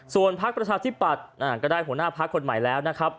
ส่วนภาคประชาชนิดปัดก็ได้หัวหน้าภาคคนใหม่แล้วนะครับ